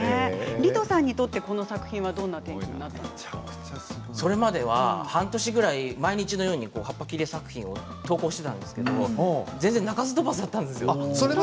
リトさんにとってこの作品はそれまでは半年ぐらい毎日のように葉っぱ切り作品を投稿していたんですけどそれまでもやっていたんですね。